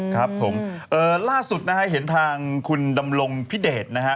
ครับผมล่าสุดนะฮะเห็นทางคุณดำรงพิเดชนะฮะ